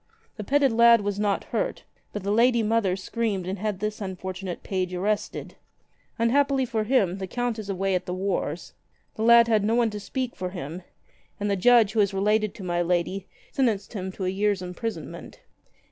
The petted lad was not hurt, but the lady mother screamed and had this unfortunate page arrested. Un happily for him, the Count is away at the wars. The lad had no one to speak for him, and the judge, who is related to my lady, sentenced him to a year's imprisonment."